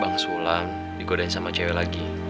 bang sulan digodain sama cewek lagi